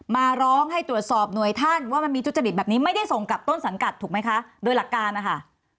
มาร้องให้ตรวจสอบหน่วยท่านว่ามันมีทุจริตแบบนี้ไม่ได้ส่งกับต้นสังกัดถูกไหมคะโดยหลักการนะคะ